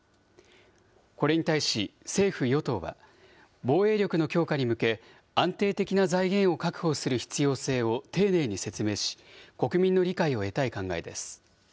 これに対し、政府・与党は、防衛力の強化に向け、安定的な財源を確保する必要性を丁寧に説明し、国民の理解を得たい考えです。